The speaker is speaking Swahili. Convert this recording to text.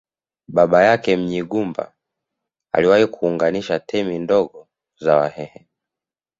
Baba yake Munyingumba aliwahi kuunganisha temi ndogo za Wahehe